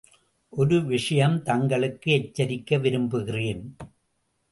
ஒரு விஷயம் தங்களுக்கு எச்சரிக்க விரும்புகிறேன்.